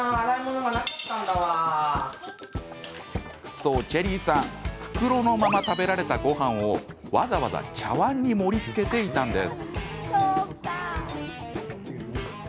そう、チェリーさん袋のまま食べられたごはんをわざわざ茶わんに盛りつけていたんです。